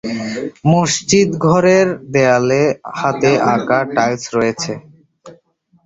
মসজিদের নামাজ ঘরের দেয়ালে হাতে আঁকা টাইলস রয়েছে।